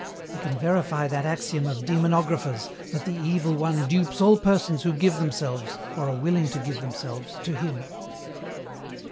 He can verify that axiom of demonographers, that the Evil One dupes all persons who give themselves, or are willing to give themselves, to him.